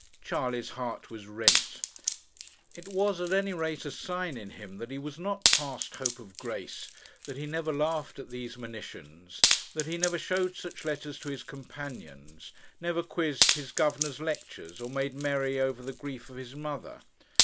Charley's heart was rent. It was, at any rate, a sign in him that he was not past hope of grace, that he never laughed at these monitions, that he never showed such letters to his companions, never quizzed his 'governor's' lectures, or made merry over the grief of his mother.